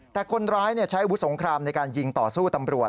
แต่คนร้ายใช้อาวุธสงครามในการยิงต่อสู้ตำรวจ